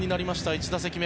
１打席目。